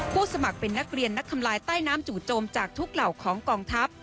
สมัครเป็นนักเรียนนักทำลายใต้น้ำจู่โจมจากทุกเหล่าของกองทัพ